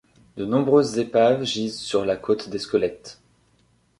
De nombreuses épaves gisent sur la côte des Squelettes.